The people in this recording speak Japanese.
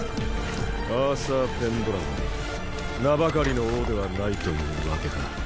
アーサー・ペンドラゴン名ばかりの王ではないというわけか。